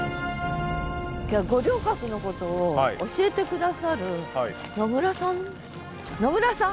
五稜郭のことを教えて下さる野村さん野村さん？